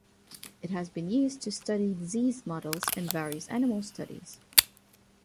It has been used to study disease models in various animal studies.